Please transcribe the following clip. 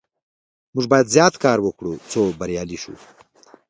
موږ باید زیات کار وکړو څو بریالي شو.